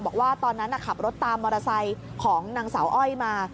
บอกว่าตอนนั้นขับรถตามมอเตอร์ไซค์ของนางสาวอ้อยมา